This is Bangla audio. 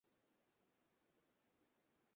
এসব তুমি কিভাবে জানো?